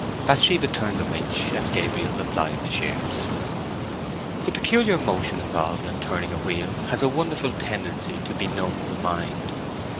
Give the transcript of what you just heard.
Bathsheba turned the winch, and Gabriel applied the shears. The peculiar motion involved in turning a wheel has a wonderful tendency to benumb the mind.